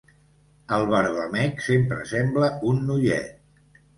El barbamec sempre sembla un noiet.